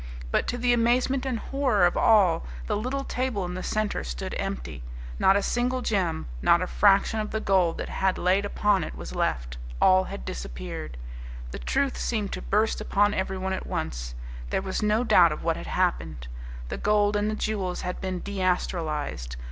But, to the amazement and horror of all, the little table in the centre stood empty not a single gem, not a fraction of the gold that had lain upon it was left. All had disappeared. The truth seemed to burst upon everyone at once. There was no doubt of what had happened. The gold and the jewels had been deastralized.